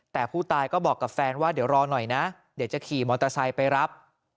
แต่ผู้ตายก็บอกกับแฟนว่าเดี๋ยวรอหน่อยนะเดี๋ยวจะขี่มอเตอร์ไซค์ไปรับ